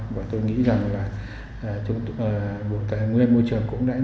và tôi nghĩ rằng là nguyên môi trường cũng đáng